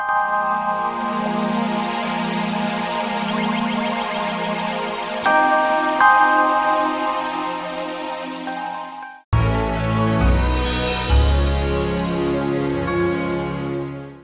pak rt harus memberikan gratis naik angkot